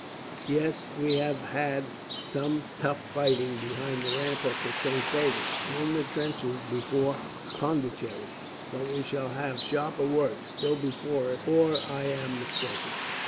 "Yes, we had some tough fighting behind the ramparts of Saint David's, and in the trenches before Pondicherry; but we shall have sharper work, still before us, or I am mistaken."